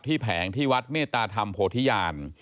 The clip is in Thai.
แผงที่วัดเมตตาธรรมโพธิญาณ